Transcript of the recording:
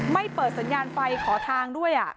เปิดสัญญาณไฟขอทางด้วย